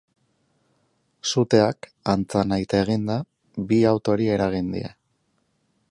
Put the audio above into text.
Suteak, antza nahita eginda, bi autori eragin die.